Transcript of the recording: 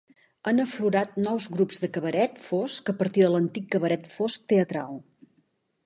Han aflorat nous grups de cabaret fosc a partir de l'antic cabaret fosc teatral.